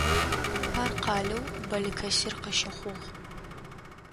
Ар къалэу Балыкэсир къыщыхъугъ.